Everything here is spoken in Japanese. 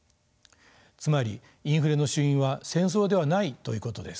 つまりインフレの主因は戦争ではないということです。